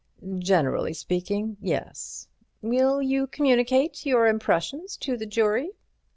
"Generally speaking, yes." "Will you communicate your impressions to the jury?"